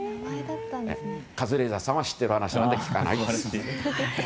カズレーザーさんは知っている話なので聞かないと。